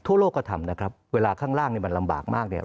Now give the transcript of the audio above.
ทั่วโลกก็ทำนะครับเวลาข้างล่างเนี่ยมันลำบากมากเนี่ย